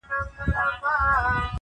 • خپل پر ټولو فیصلو دستي پښېمان سو..